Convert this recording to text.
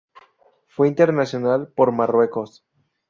Fue internacional por Marruecos.